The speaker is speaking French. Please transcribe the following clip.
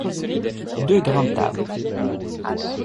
Deux grandes tables.